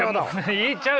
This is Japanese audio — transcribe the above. いやちゃう。